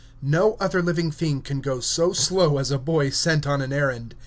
No other living thing can go so slow as a boy sent on an errand.